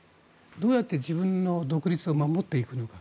どうやって自分の独立を守っていくのか。